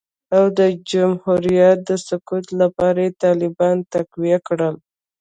او د جمهوریت د سقوط لپاره یې طالبان تقویه کړل